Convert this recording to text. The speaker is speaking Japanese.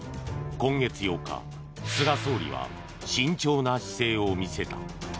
今月８日、菅総理は慎重な姿勢を見せた。